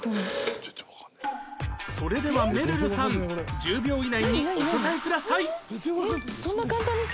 それではめるるさん１０秒以内にお答えください